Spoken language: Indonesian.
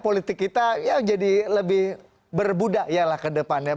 politik kita menjadi lebih berbudaya ke depannya